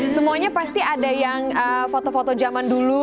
semuanya pasti ada yang foto foto zaman dulu